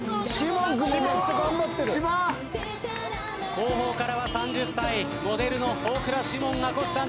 後方からは３０歳モデルの大倉士門が虎視眈々